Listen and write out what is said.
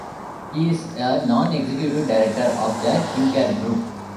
He is a Non-Executive Director of the Kincare Group.